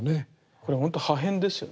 これほんと破片ですよね。